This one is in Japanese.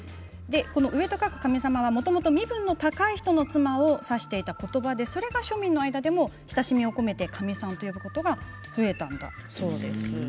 上と書く上様はもともとは身分の高い人の妻を指していたことばでしてそれを庶民の間でも親しみを込めてかみさんと呼ぶことが増えたんだそうです。